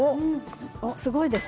すごいです。